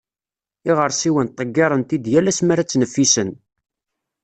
Iɣersiwen, ḍeggiren-t-id yal ass mi ara ttneffisen.